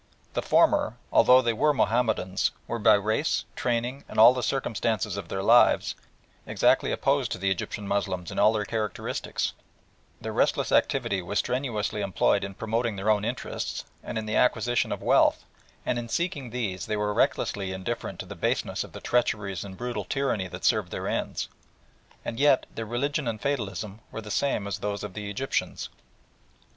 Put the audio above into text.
The former, although they were Mahomedans, were by race, training, and all the circumstances of their lives, exactly opposed to the Egyptian Moslems in all their characteristics; their restless activity was strenuously employed in promoting their own interests, and in the acquisition of wealth, and in seeking these they were recklessly indifferent to the baseness of the treacheries and brutal tyranny that served their ends, and yet their religion and fatalism were the same as those of the Egyptians.